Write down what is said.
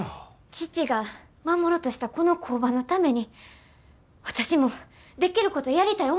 父が守ろうとしたこの工場のために私もできることやりたい思たんです。